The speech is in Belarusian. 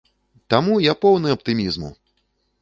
Таму я поўны аптымізму!